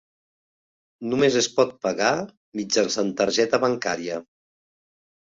Només es pot pagar mitjançant targeta bancària.